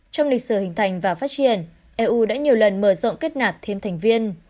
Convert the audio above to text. trong lịch sử hình thành và phát triển eu đã nhiều lần mở rộng kết nạp thêm thành viên